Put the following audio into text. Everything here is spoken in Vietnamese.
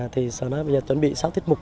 thì sở này bây giờ chuẩn bị sáu tiết mục